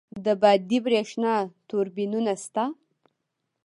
د بادی بریښنا توربینونه شته؟